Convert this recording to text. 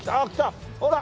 ほら！